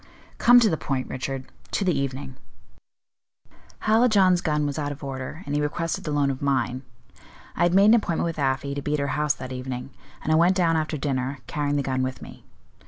"Come to the point, Richard to the evening." "Hallijohn's gun was out of order, and he requested the loan of mine. I had made an appointment with Afy to be at her house that evening, and I went down after dinner, carrying the gun with me.